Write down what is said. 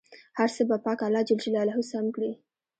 هر څه به پاک الله جل جلاله سم کړي.